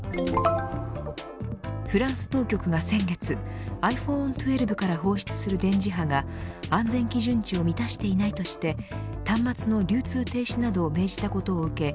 フランス当局が先月ｉＰｈｏｎｅ１２から放出する電磁波が安全基準値を満たしていないとして端末の流通停止などを命じたことを受け